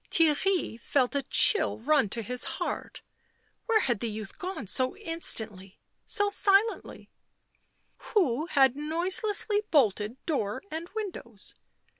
Theirry felt a chill run to his heart — where had the youth gone so instantly, so silently 1 ? Who had noiselessly bolted door and windows